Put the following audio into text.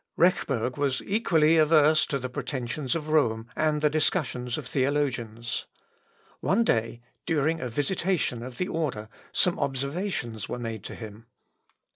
Rechberg was equally averse to the pretensions of Rome and the discussions of theologians. One day, during a visitation of the Order, some observations were made to him.